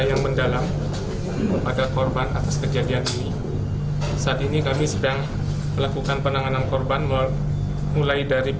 yang mendalam kepada korban atas kejadian ini saat ini kami sedang melakukan penanganan korban mulai dari